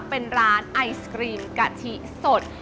เป็นร้านไอศกรีมกะทิสด